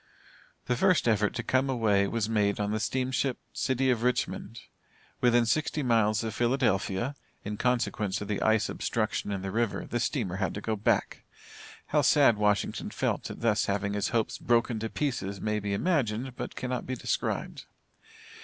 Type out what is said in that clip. The first effort to come away was made on the steamship City of Richmond. Within sixty miles of Philadelphia, in consequence of the ice obstruction in the river, the steamer had to go back. How sad Washington felt at thus having his hopes broken to pieces may be imagined but cannot be described.